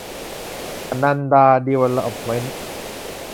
อนันดา ดีเวลลอปเม้นท์